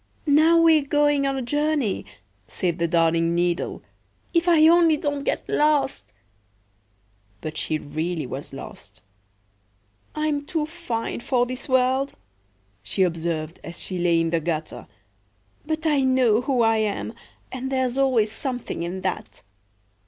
"Now we're going on a journey," said the Darning needle. "If I only don't get lost!"But she really was lost."I'm too fine for this world," she observed, as she lay in the gutter. "But I know who I am, and there's always something in that!"